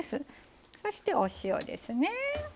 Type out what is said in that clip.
そしてお塩ですね。